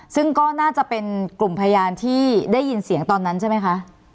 ซึ่งก็น่าจะเป็นกลุ่มพยานที่ได้ยินเสียงตอนนั้นใช่ไหมคะ